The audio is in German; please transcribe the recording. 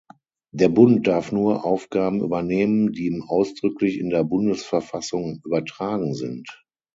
Der Bund darf nur Aufgaben übernehmen, die ihm ausdrücklich in der Bundesverfassung übertragen sind.